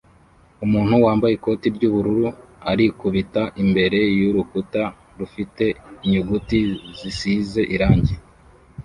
Umuntu wambaye ikoti ry'ubururu arikubita imbere y'urukuta rufite inyuguti zisize irangi